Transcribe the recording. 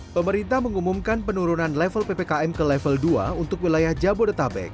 pemerintah mengumumkan penurunan level ppkm ke level dua untuk wilayah jabodetabek